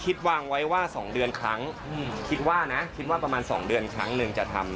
คิดวางไว้ว่า๒เดือนครั้งคิดว่านะคิดว่าประมาณ๒เดือนครั้งหนึ่งจะทำ